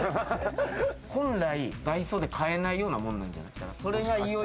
本来、ダイソーで買えないようなものなんじゃない？